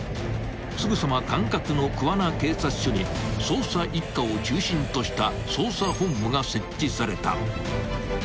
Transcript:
［すぐさま管轄の桑名警察署に捜査一課を中心とした捜査本部が設置された］